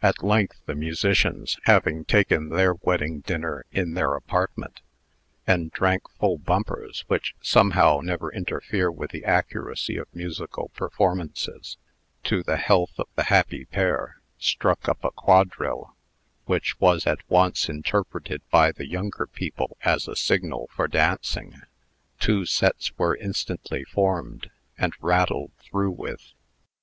At length the musicians, having taken their wedding dinner in their apartment, and drank full bumpers (which, somehow, never interfere with the accuracy of musical performances) to the health of the happy pair, struck up a quadrille, which was at once interpreted by the younger people as a signal for dancing. Two sets were instantly formed, and rattled through with.